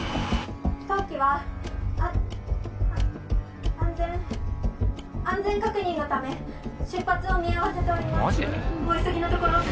「当機はああ安全安全確認のため出発を見合わせております」マジで？